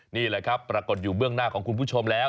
นี่แหละครับปรากฏอยู่เบื้องหน้าของคุณผู้ชมแล้ว